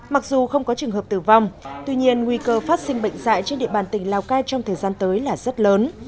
mặc dù không có trường hợp tử vong tuy nhiên nguy cơ phát sinh bệnh dạy trên địa bàn tỉnh lào cai trong thời gian tới là rất lớn